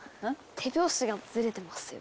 手拍子がずれてますよ。